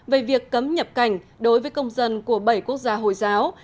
về việc cấm nhập cảnh đối với công dân của bảy quốc gia hồi giáo